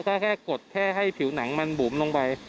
ก็แค่กดแค่ให้ผิวหนังมันบุ๋มลงไป